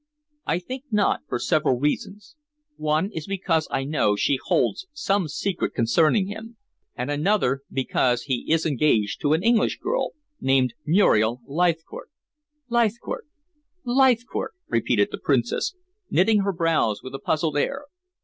"I think not, for several reasons. One is because I know she holds some secret concerning him, and another because he is engaged to an English girl named Muriel Leithcourt." "Leithcourt? Leithcourt?" repeated the Princess, knitting her brows with a puzzled air.